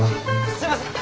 すいません。